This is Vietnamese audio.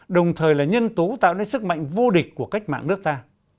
đồng thời là nhân tố tạo nên sức mạnh vô địch của cách mạng nước ta